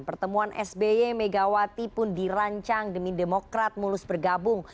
pertemuan sby megawati pun dirancang demi demokrat mulus bergabung